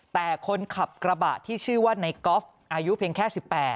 แต่คนขับกระบะที่ชื่อว่าในกอล์ฟอายุเพียงแค่๑๘